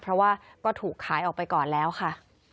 เพราะว่าก็ถูกขายออกไปก่อนแล้วค่ะ